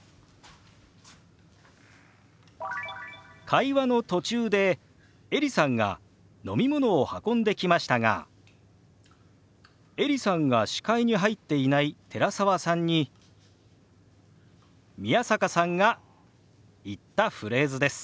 会話の途中でエリさんが飲み物を運んできましたがエリさんが視界に入っていない寺澤さんに宮坂さんが言ったフレーズです。